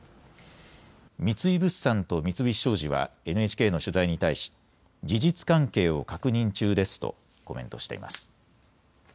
三井物産と三菱商事はＮＨＫの取材に対し事実関係を確認中ですとコメントしています。